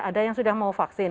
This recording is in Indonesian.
ada yang sudah mau vaksin